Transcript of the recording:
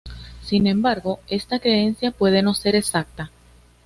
Sin embargo, esta creencia puede no ser exacta.